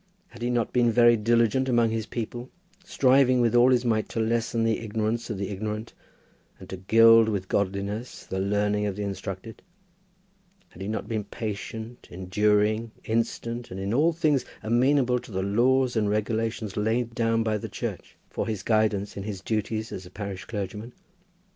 Had he not been very diligent among his people, striving with all his might to lessen the ignorance of the ignorant, and to gild with godliness the learning of the instructed? Had he not been patient, enduring, instant, and in all things amenable to the laws and regulations laid down by the Church for his guidance in his duties as a parish clergyman?